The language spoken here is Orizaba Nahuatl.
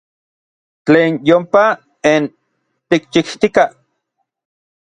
Tlen yompa n tikchijtikaj.